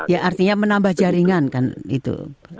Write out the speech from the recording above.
ya artinya menambah jaringan kan itu